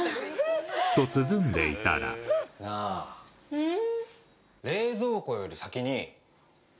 うん？